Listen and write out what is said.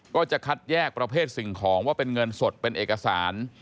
ก็จะคัดแยกประเภทสิ่งของว่าเป็นเงินสดเป็นเอกสาร